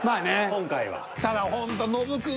今回は。